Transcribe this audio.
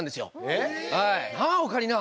えっ？なあオカリナ。